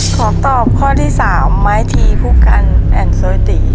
ขอตอบข้อที่๓ไม้ทีผู้กันแอ่นเซอร์ติ